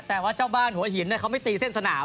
แต่ว่าเจ้าบ้านหัวหินเขาไม่ตีเส้นสนาม